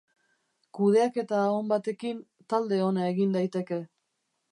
Kudeaketa on batekin talde ona egin daiteke.